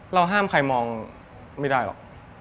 ห้ามใครมองไม่ได้หรอก